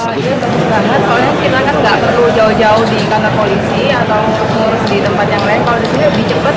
ini bagus banget soalnya kita kan nggak perlu jauh jauh di kantor polisi atau untuk mengurus di tempat yang lain